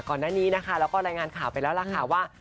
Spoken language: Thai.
ก่อนหน้านี้นะคะเราก็รายงานข่าวไปแล้วล่ะค่ะว่า